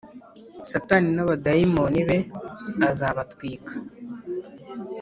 satani n'abadayimoni be azabatwika